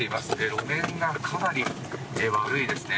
路面がかなり悪いですね。